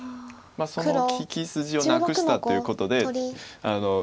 その利き筋をなくしたということで。